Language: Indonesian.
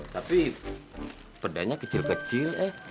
tapi bedanya kecil kecil eh